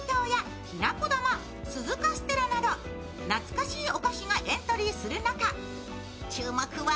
懐かしいお菓子がエントリーする中、注目は